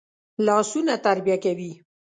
لاسونه تربیه کوي